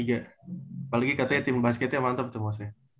apalagi katanya tim basketnya mantep tuh mostnya